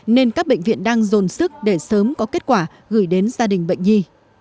nên các bệnh viện đang dồn sức để sớm có kết quả gửi đến gia đình bệnh nhi